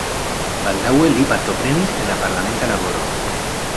Baldaŭe li partoprenis en la parlamenta laboro.